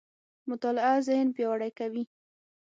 مطالعه ذهن پياوړی کوي.